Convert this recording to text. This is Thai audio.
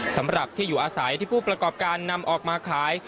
สำหรับที่อยู่อาศัยที่ผู้ประกอบการนำออกมาขาย